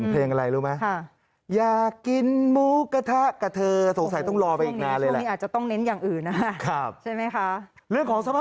เธอโดยกิจให้ลิอาร์เตอร์